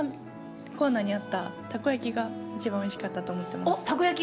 私はジャパンコーナーにあったたこ焼きが一番おいしかったと思ってます。